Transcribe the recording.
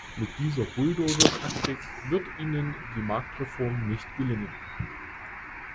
Mit dieser Bulldozertaktik wird Ihnen die Marktreform nicht gelingen.